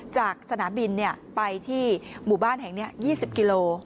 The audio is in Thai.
จากสนามบินไปที่หมู่บ้านแห่งนี้๒๐กิโล